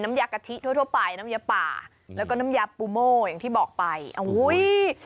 ยากะทิทั่วทั่วไปน้ำยาป่าแล้วก็น้ำยาปูโม่อย่างที่บอกไปอุ้ย